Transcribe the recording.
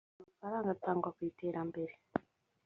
amafaranga atangwa ku iterambere